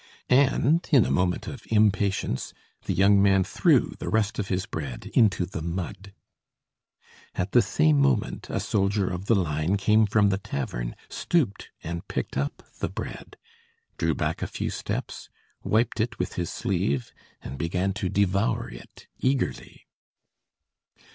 And, in a moment of impatience, the young man threw the rest of his bread into the mud. At the same moment a soldier of the line came from the tavern, stooped and picked up the bread, drew back a few steps, wiped it with his sleeve and began to devour it eagerly.